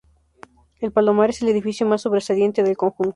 El palomar es el edificio más sobresaliente del conjunto.